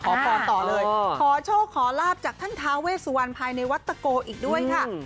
ขอพรต่อเลยขอโชคขอลาบจากท่านท้าเวสวันภายในวัดตะโกอีกด้วยค่ะ